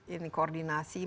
ini koordinasi maupun pendidikan